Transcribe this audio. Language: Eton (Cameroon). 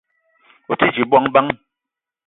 O te dje bongo bang ?